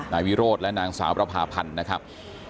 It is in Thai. นายวิโรธและนางสาวประพาพันธ์นะครับ